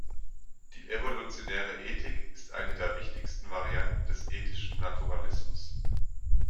Die evolutionäre Ethik ist "eine der wichtigsten Varianten des ethischen Naturalismus".